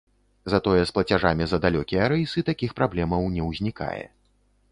Затое з плацяжамі за далёкія рэйсы такіх праблемаў не ўзнікае.